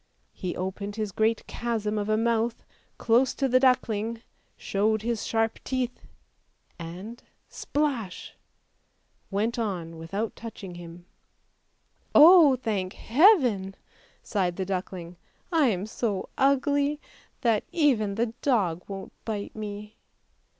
He opened his great chasm of a mouth close to the duckling, showed his sharp teeth — and — splash — went on without touching him. " Oh, thank Heaven! " sighed the duckling, " I am so ugly that even the dog won't bite me!